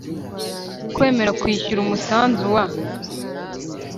Kwemera kwishyura umusanzu wa